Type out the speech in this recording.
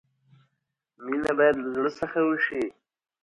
مینه باید لۀ زړۀ څخه وشي.